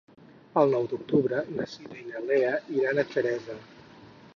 El nou d'octubre na Cira i na Lea iran a Xeresa.